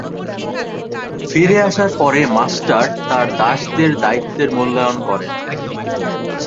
ফিরে আসার পরে, মাস্টার তার দাসদের দায়িত্বের মূল্যায়ন করেন।